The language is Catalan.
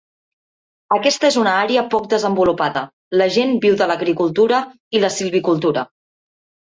Aquesta és una àrea poc desenvolupada, la gent viu de l'agricultura i la silvicultura.